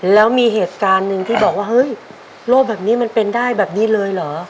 แล้วมีเหตุการณ์หนึ่งที่บอกว่าเฮ้ยโรคแบบนี้มันเป็นได้แบบนี้เลยเหรอ